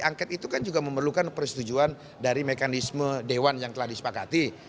angket itu kan juga memerlukan persetujuan dari mekanisme dewan yang telah disepakati